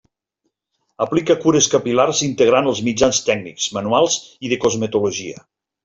Aplica cures capil·lars integrant els mitjans tècnics, manuals i de cosmetologia.